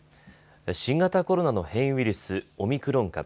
新型コロナの変異ウイルス、オミクロン株。